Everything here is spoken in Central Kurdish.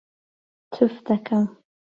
تف دەکەم.